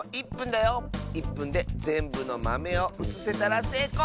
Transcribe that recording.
１ぷんでぜんぶのまめをうつせたらせいこう！